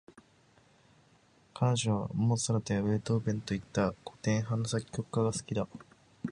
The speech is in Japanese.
彼女はモーツァルトやベートーヴェンといった、古典派の作曲家が好きだ。